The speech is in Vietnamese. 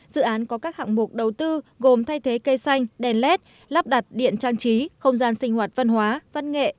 dự án có các hạng mục đầu tư gồm thay thế cây xanh đèn led lắp đặt điện trang trí không gian sinh hoạt văn hóa văn nghệ